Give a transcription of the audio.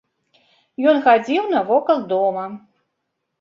Ён хадзіў навокал дома.